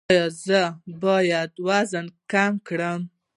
ایا زه باید وزن کم کړم؟